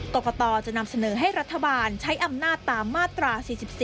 กรกตจะนำเสนอให้รัฐบาลใช้อำนาจตามมาตรา๔๔